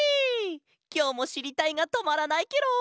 きょうもしりたいがとまらないケロ！